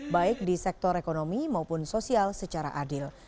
baik di sektor ekonomi maupun sosial secara adil